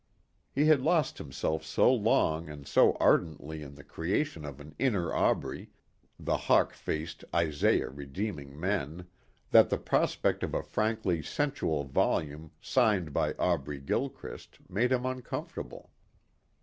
He had lost himself so long and so ardently in the creation of an inner Aubrey the hawk faced Isaiah redeeming men that the prospect of a frankly sensual volume signed by Aubrey Gilchrist made him uncomfortable.